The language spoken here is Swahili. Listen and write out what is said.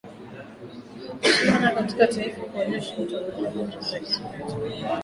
sana katika taifa kuonyesha utamaduni mila lakini pia kufikisha ujumbe Tunajua kwamba sana